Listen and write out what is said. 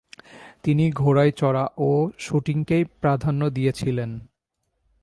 তিনি ঘোড়ায় চড়া ও শুটিংকেই প্রাধান্য দিয়েছিলেন।